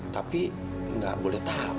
tapi nggak boleh tahu